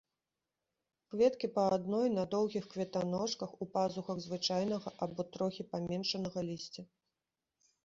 Кветкі па адной на доўгіх кветаножках, у пазухах звычайнага або трохі паменшанага лісця.